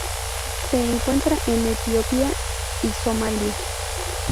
Se encuentra en Etiopía y Somalía.